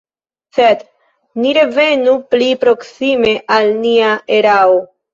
Sed ni revenu pli proksime al nia erao.